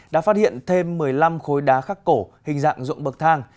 đã phát hiện thêm một mươi năm khối đá khắc cổ hình dạng rộng bậc thang